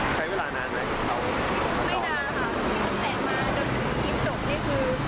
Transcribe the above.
ใช้เวลานานไหมไม่น่าค่ะแตกมาจนคลิปจบนี่คือ